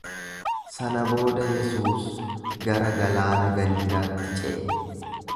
Sana booda Yesuus gara galaana Galiilaatti ce’e.